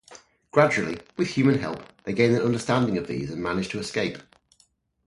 Gradually, with human help, they gain an understanding of these and manage to escape.